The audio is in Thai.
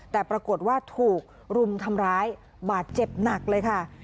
แต่ปรากฏว่าถูกรุมทำร้ายบาดเจ็บหนักเลยค่ะ